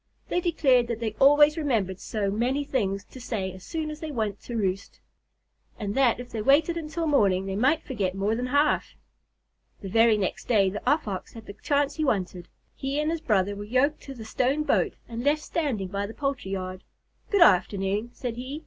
They declared that they always remembered so many things to say as soon as they went to roost, and that if they waited until morning they might forget more than half. The very next day, the Off Ox had the chance he wanted. He and his brother were yoked to the stone boat and left standing by the poultry yard. "Good afternoon," said he.